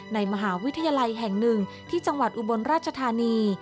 ในมหาวิทยาลัยแห่งหนึ่งที่จังหวัดอุบลราชธานี